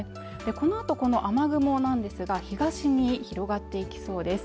このあとこの雨雲なんですが東に広がっていきそうです